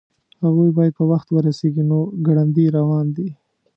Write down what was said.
هغوی باید په وخت ورسیږي نو ګړندي روان دي